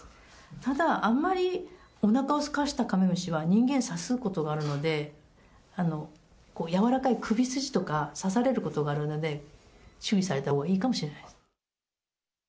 ただ、あんまりおなかをすかせたカメムシは、人間、刺すことがあるので、柔らかい首筋とか刺されることがあるので、注意されたほうがいいかもしれないです。